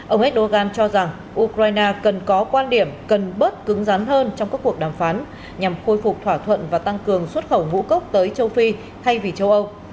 ông erdogan cho rằng ukraine cần có quan điểm cần bớt cứng rắn hơn trong các cuộc đàm phán nhằm khôi phục thỏa thuận và tăng cường xuất khẩu ngũ cốc tới châu phi thay vì châu âu